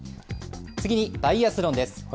次にバイアスロンです。